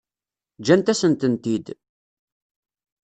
Ǧǧant-asent-tent-id.